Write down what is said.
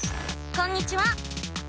こんにちは。